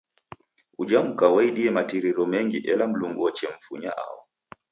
Uja muka waidie matiriro mengi ela Mlungu wachemfunya aho.